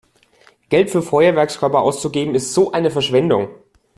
Geld für Feuerwerkskörper auszugeben ist so eine Verschwendung!